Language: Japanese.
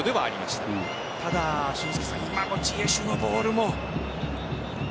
ただ、今のジエシュのボールも。